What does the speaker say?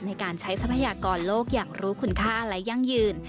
ในการใช้ทรัพยากรโลกอย่างรู้คุณค่าและยั่งยืน